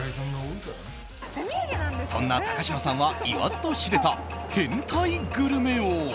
そんな高嶋さんは言わずと知れた変態グルメ王。